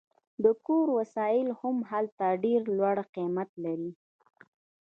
د کور وسایل هم هلته ډیر لوړ قیمت لري